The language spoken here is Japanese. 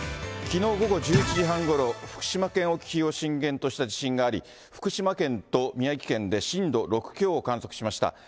きのう午後１１時半ごろ、福島県沖を震源とした地震があり、福島県と宮城県で震度６強を観測しました。